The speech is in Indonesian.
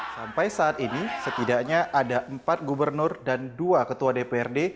sampai saat ini setidaknya ada empat gubernur dan dua ketua dprd